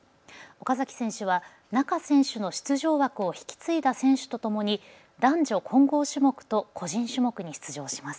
岡崎選手は仲選手の出場枠を引き継いだ選手とともに男女混合種目と個人種目に出場します。